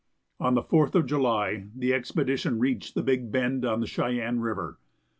On the 4th of July the expedition reached the Big Bend of the Cheyenne river.